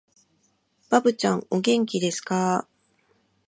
ばぶちゃん、お元気ですかー